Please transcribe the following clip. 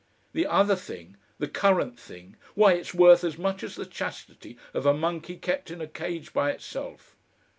The other thing, the current thing, why! it's worth as much as the chastity of a monkey kept in a cage by itself!"